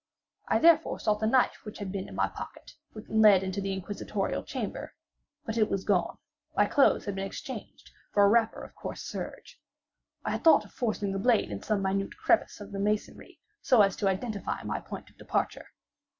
I therefore sought the knife which had been in my pocket, when led into the inquisitorial chamber; but it was gone; my clothes had been exchanged for a wrapper of coarse serge. I had thought of forcing the blade in some minute crevice of the masonry, so as to identify my point of departure.